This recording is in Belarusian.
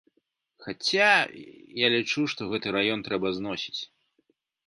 Хаця, я лічу, што гэты раён трэба зносіць.